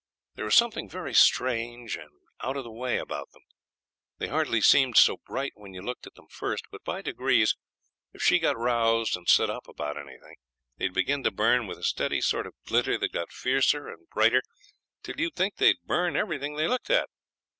There was something very strange and out of the way about them. They hardly seemed so bright when you looked at them first; but by degrees, if she got roused and set up about anything, they'd begin to burn with a steady sort of glitter that got fiercer and brighter till you'd think they'd burn everything they looked at.